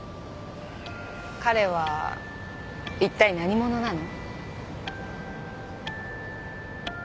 彼はいったい何者なの？